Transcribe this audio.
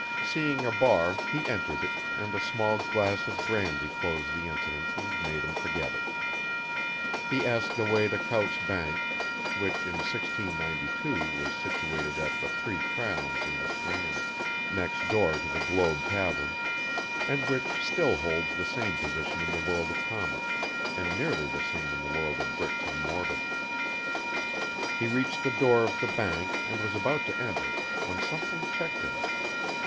Seeing a bar he entered it, and a small glass of brandy closed the incident and made him forget it. He asked the way to Coutts' Bank, which in 1692 was situated at the "Three Crowns" in the Strand, next door to the Globe Tavern, and which still holds the same position in the world of commerce, and nearly the same in the world of bricks and mortar. He reached the door of the bank and was about to enter, when something checked him.